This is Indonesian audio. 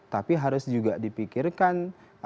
tapi harus juga dipikirkan